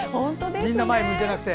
みんな前に出なくて。